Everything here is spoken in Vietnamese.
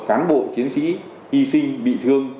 cán bộ chiến sĩ hy sinh bị thương